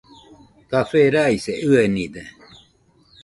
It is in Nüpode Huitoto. Café raise ɨenide.